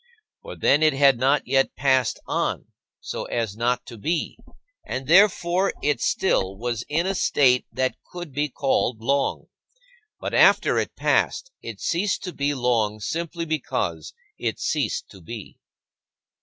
For then it had not yet passed on so as not to be, and therefore it still was in a state that could be called long. But after it passed, it ceased to be long simply because it ceased to be.